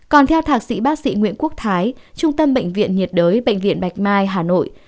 còn theo thạc sĩ bác sĩ nguyễn quốc thái trung tâm bệnh viện nhiệt đới bệnh viện bạch mai hà nội